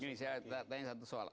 jadi saya tanya satu soal